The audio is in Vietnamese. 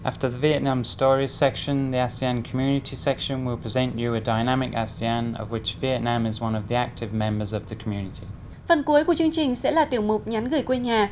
phần cuối của chương trình sẽ là tiểu mục nhắn gửi quê nhà